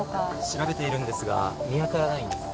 調べているんですが見当たらないんです。